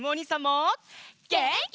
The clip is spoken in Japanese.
げんき！